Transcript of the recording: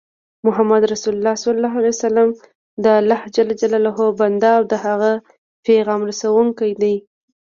محمد رسول الله دالله ج بنده او د د هغه پیغام رسوونکی دی